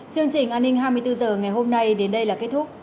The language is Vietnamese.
chương trình an ninh hai mươi bốn h ngày hôm nay đến đây là kết thúc